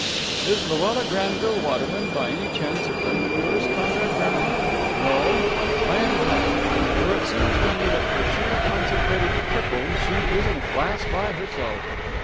"Is Luella Granville Waterman by any chance a friend of yours, Comrade Brown? No? I am glad. For it seems to me that for sheer, concentrated piffle, she is in a class by herself."